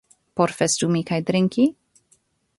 Por festumi kaj drinki?